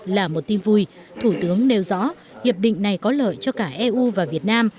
là một tin vui thủ tướng nêu rõ hiệp định này có lợi cho cả eu và việt nam